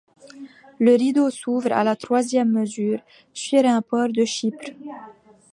Le rideau s'ouvre à la troisième mesure sur un port de Chypre.